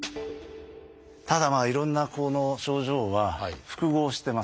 ただいろんなこの症状は複合してます。